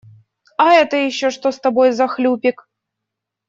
А это еще что с тобой за хлюпик?